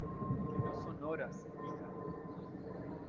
que no son horas, hija.